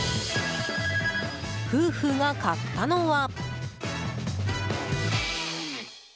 夫婦が買ったのは。